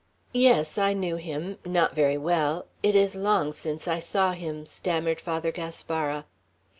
"Yes, I knew him, not very well; it is long since I saw him," stammered Father Gaspara.